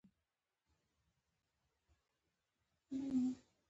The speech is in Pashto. د افغانستان د اقتصادي پرمختګ لپاره پکار ده چې مشوره وکړو.